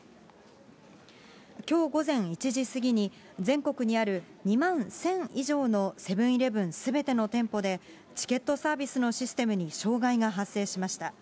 きょう午前１時過ぎに、全国にある２万１０００以上のセブンーイレブンすべての店舗で、チケットサービスのシステムに障害が発生しました。